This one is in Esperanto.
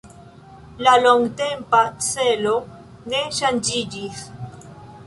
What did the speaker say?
La longtempa celo ne ŝanĝiĝis.